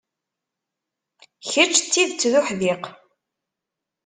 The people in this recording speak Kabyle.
Kečč d tidet d uḥdiq.